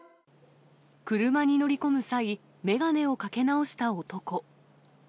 車に乗り込む際、眼鏡をかけ直した男。